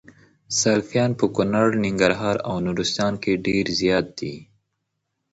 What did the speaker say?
سلفيان په کونړ ، ننګرهار او نورستان کي ډير زيات دي